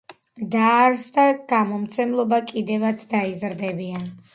დააარსა გამომცემლობა „კიდევაც დაიზრდებიან“.